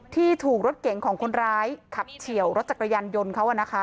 ที่ถูกรถเก๋งของคนร้ายขับเฉียวรถจักรยานยนต์เขานะคะ